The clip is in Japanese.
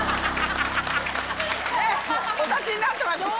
お立ちになってましたよね。